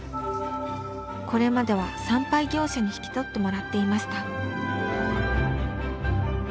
これまでは産廃業者に引き取ってもらっていました。